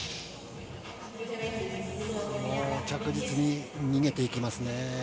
着実に逃げていきますね。